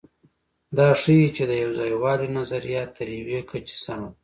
دا ښيي، چې د یوځایوالي نظریه تر یوې کچې سمه ده.